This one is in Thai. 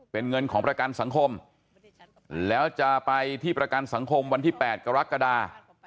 เป็นเงินของประกันสังคมแล้วจะไปที่ประกันสังคมวันที่๘กรกฎา